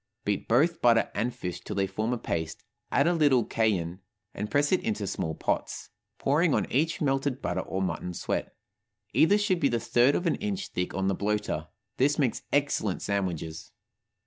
Beat both butter and fish till they form a paste, add a little cayenne, and press it into small pots, pouring on each melted butter, or mutton suet. Either should be the third of an inch thick on the bloater. This makes excellent sandwiches.